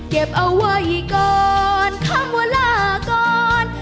เก็บเอาไว้ก่อนคำว่าลาก่อน